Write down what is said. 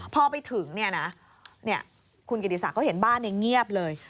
พอไปถึงเนี่ยนะเนี่ยคุณกระดิษฐ์ก็เห็นบ้านเนี่ยเงียบเลย